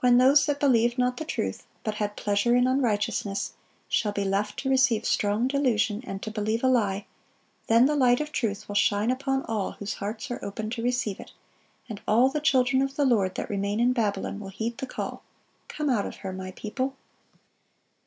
When those that "believed not the truth, but had pleasure in unrighteousness,"(643) shall be left to receive strong delusion and to believe a lie, then the light of truth will shine upon all whose hearts are open to receive it, and all the children of the Lord that remain in Babylon will heed the call, "Come out of her, My people."